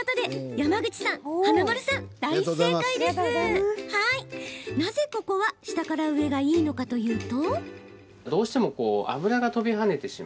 でも、なぜここは下から上がいいのかというと。